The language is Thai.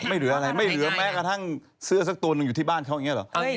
ไม่เหลือแม้กระทั่งเสื้อสักตัวนึงอยู่ที่บ้านเขาอย่างนี้หรอ